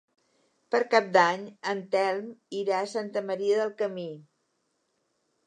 Per Cap d'Any en Telm irà a Santa Maria del Camí.